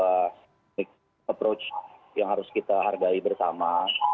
ada dua approach yang harus kita hargai bersama